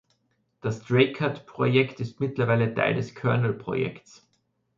Das Dracut-Projekt ist mittlerweile Teil des Kernel-Projekts.